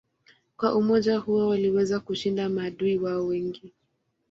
Kwa umoja huo waliweza kushinda maadui wao wengi.